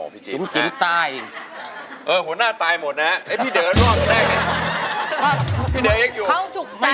พี่เด๋อร์เอ็กซ์อยู่เขาจุกใจเขาไล่ออกก่อน